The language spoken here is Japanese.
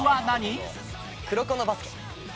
『黒子のバスケ』。